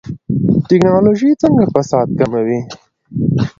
ټکنالوژي څنګه فساد کموي؟